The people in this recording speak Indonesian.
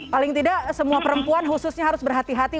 paling tidak semua perempuan khususnya harus berhati hati